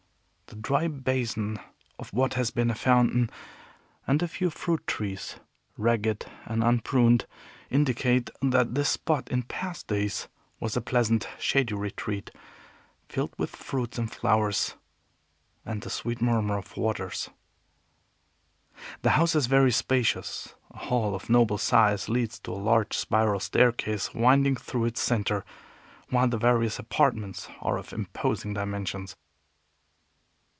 The dry basin of what has been a fountain, and a few fruit trees ragged and unpruned, indicate that this spot in past days was a pleasant, shady retreat, filled with fruits and flowers and the sweet murmur of waters. The house is very spacious. A hall of noble size leads to a large spiral staircase winding through its center, while the various apartments are of imposing dimensions.